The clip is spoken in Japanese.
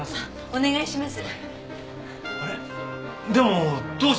お願いします。